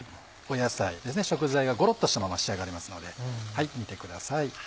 野菜食材がゴロっとしたまま仕上がりますので煮てください。